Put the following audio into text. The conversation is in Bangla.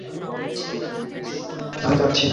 আমি কাদছি না।